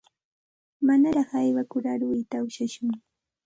Manaraq aywakur aruyta ushashun.